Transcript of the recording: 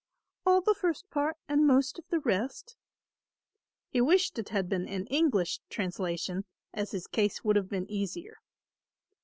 "All the first part and most of the rest." He wished it had been an English translation, as his case would have been easier.